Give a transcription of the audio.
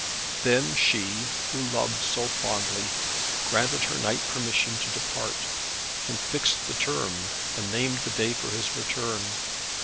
Then she, who loved so fondly, granted her knight permission to depart, and fixed the term, and named the day for his return.